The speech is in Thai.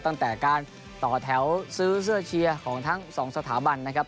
ตั้งแต่การต่อแถวซื้อเสื้อเชียร์ของทั้งสองสถาบันนะครับ